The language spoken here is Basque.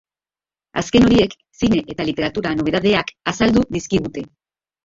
Azken horiek zine eta literatura nobedadeak azaldu dizkigute.